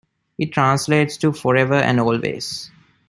It translates to "Forever and Always".